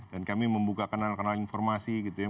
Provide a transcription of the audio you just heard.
dan kami membuka kenal kenal informasi gitu ya